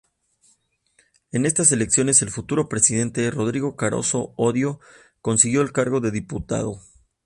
En estas elecciones el futuro presidente Rodrigo Carazo Odio consiguió el cargo de diputado.